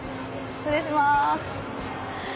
失礼します。